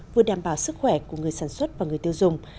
vừa đảm bảo sức khỏe của người sản xuất và người tiêu dùng